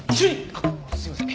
あっすいません。